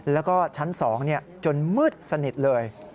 แล้วก็ชั้น๒จนมืดสนิทเลย